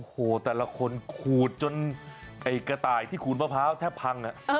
โอ้โหแต่ละคนขูดจนไอ้กระต่ายที่ขูดมะพร้าวแทบพัง